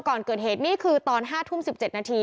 ก่อนเกิดเหตุนี่คือตอน๕ทุ่ม๑๗นาที